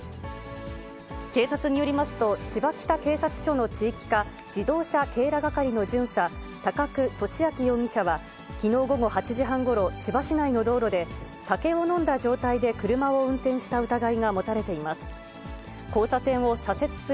警察によりますと、千葉北警察署の地域課自動車警ら係の巡査、高久利明容疑者はきのう午後８時半ごろ、千葉市内の道路で、酒を飲んだ状態で車を運転した疑いが持たれています。